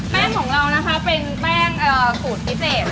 แป้งของเรานะคะเป็นแป้งสูตรพิเศษ